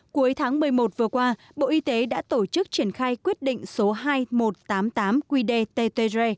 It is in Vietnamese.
cuối tháng một mươi một vừa qua bộ y tế đã tổ chức triển khai quyết định số hai nghìn một trăm tám mươi tám qdttg